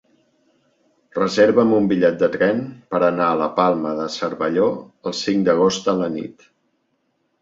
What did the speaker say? Reserva'm un bitllet de tren per anar a la Palma de Cervelló el cinc d'agost a la nit.